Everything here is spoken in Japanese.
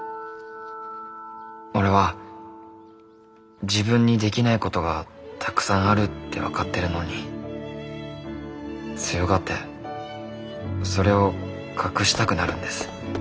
俺は自分にできないことがたくさんあるって分かってるのに強がってそれを隠したくなるんです。